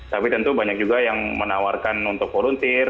tapi tentu banyak juga yang menawarkan untuk volunteer